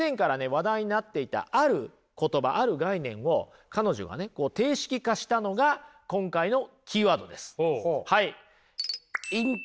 話題になっていたある言葉ある概念を彼女がね定式化したのが今回のキーワードです。